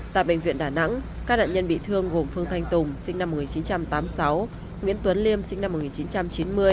tại bệnh viện đà nẵng các nạn nhân bị thương gồm phương thanh tùng sinh năm một nghìn chín trăm tám mươi sáu nguyễn tuấn liêm sinh năm một nghìn chín trăm chín mươi